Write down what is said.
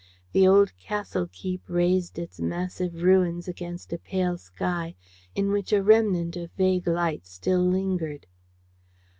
The old castle keep raised its massive ruins against a pale sky, in which a remnant of vague light still lingered.